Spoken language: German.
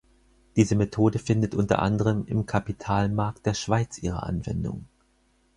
Diese Methode findet unter anderem im Kapitalmarkt der Schweiz ihre Anwendung.